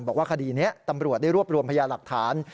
คดีนี้ตำรวจได้รวบรวมพยาหลักฐาน